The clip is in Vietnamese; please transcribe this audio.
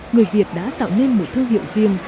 người việt đã tạo nên một thông tin